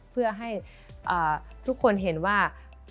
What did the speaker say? เพื่อให้ทุกคนเห็นว่า